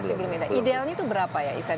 sebenarnya itu berapa ya essential force